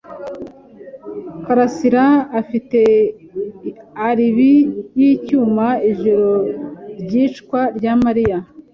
Karasiraafite alibi yicyuma ijoro ryicwa rya Mariya.